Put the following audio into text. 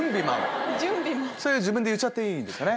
それ自分で言っちゃっていいんですかね？